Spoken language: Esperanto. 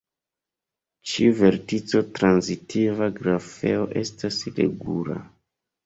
Ĉiu vertico-transitiva grafeo estas regula.